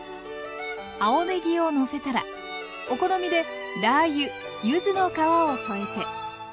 青ねぎをのせたらお好みでラー油柚子の皮を添えて。